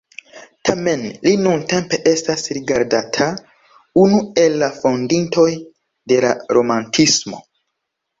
Tamen li nuntempe estas rigardata unu el la fondintoj de la romantismo.